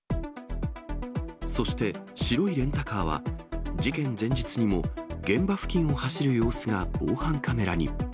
そして白いレンタカーは、事件前日にも、現場付近を走る様子が防犯カメラに。